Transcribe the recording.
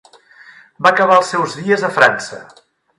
Va acabar els seus dies a França.